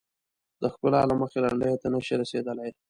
د ښکلا له مخې لنډیو ته نه شي رسیدلای.